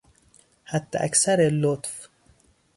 حداکثر لطف